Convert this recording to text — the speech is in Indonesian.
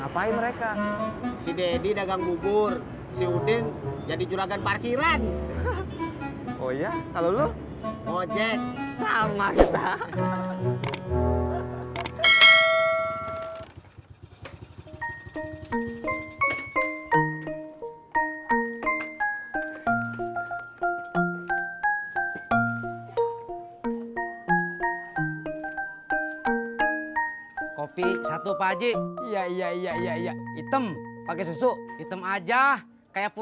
pikiran oh ya kalau lu ojek sama kopi satu paji ya ya ya ya item pakai susu item aja kayak